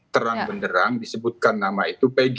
terang benderang disebutkan nama itu pj